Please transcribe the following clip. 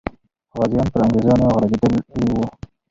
غازیان پر انګریزانو غالبېدلې وو.